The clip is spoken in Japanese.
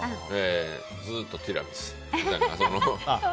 ずっとティラミスみたいな。